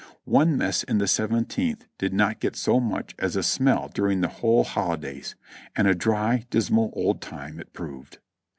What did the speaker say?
One mess in the Seven teenth did not get so much as a smell during the whole of the holi days ; and a dry, dismal old time it proved.